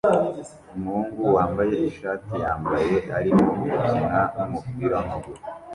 umuhungu wambaye ishati yambaye arimo gukina numupira wamaguru